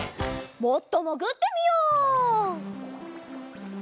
もっともぐってみよう！